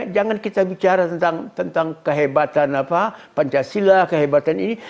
jangan kita bicara tentang kehebatan pancasila kehebatan ini